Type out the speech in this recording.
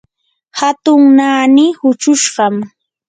hatun naani huchushqam.